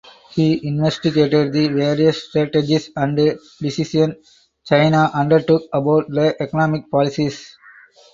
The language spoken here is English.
He investigated the various strategies and decisions China undertook about the economic policies.